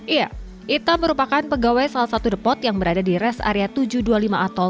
iya ita merupakan pegawai salah satu depot yang berada di res area tujuh ratus dua puluh lima atol